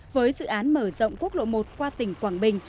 với dự án mở rộng quốc lộ một qua tỉnh quảng bình